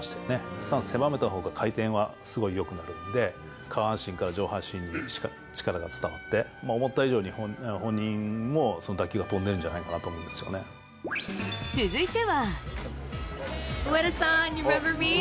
スタンス狭めたほうが、回転はすごいよくなるんで、下半身から上半身に力が伝わって、思った以上に本人も、打球が飛んでるんじゃないかなと思うんです続いては。